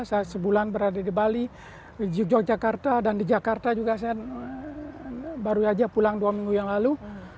saya sebulan berada di bali di yogyakarta dan di jakarta juga saya baru aja pulang dua minggu yang lalu